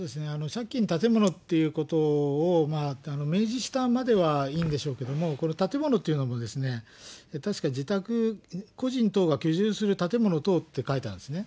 借金、建物ということを明示したまではいいんでしょうけれども、これ、建物というのも、確かに自宅、個人等が居住する建物等と書いてあるんですね。